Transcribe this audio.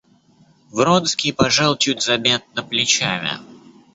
Вронский пожал чуть заметно плечами.